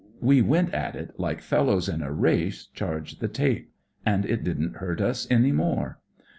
We went at it like fellows in a race charge the tape ; and it didn't hurt us any more.